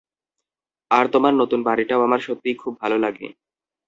আর তোমার নতুন বাড়িটাও আমার সত্যিই খুব ভালো লাগে।